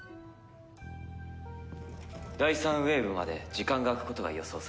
第３ウェーブまで時間が空くことが予想されます。